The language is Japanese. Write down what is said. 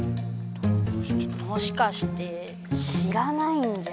もしかして知らないんじゃ。